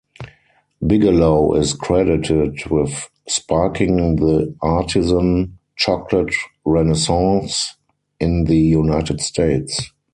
Bigelow is credited with "sparking the artisan chocolate renaissance" in the United States.